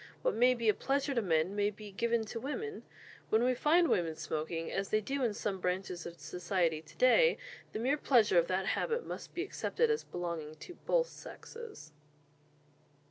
What may be a pleasure to men may be given to women. When we find women smoking, as they do in some branches of society to day, the mere pleasure of that habit must be accepted as belonging to both sexes."